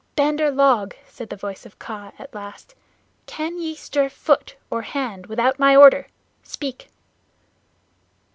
"Bandar log," said the voice of Kaa at last, "can ye stir foot or hand without my order? Speak!"